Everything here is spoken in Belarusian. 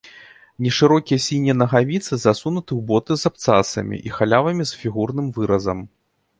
Нешырокія сінія нагавіцы засунуты ў боты з абцасамі і халявамі з фігурным выразам.